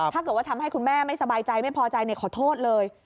ถ้าเกิดว่าทำให้คุณแม่ไม่สบายใจไม่พอใจขอโทษเลย